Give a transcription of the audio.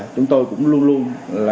chúng tôi cũng luôn luôn